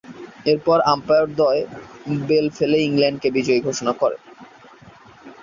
এরপর আম্পায়ারদ্বয় বেল ফেলে ইংল্যান্ডকে বিজয়ী ঘোষণা করে।